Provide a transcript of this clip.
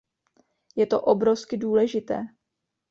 Je to obrovsky důležité.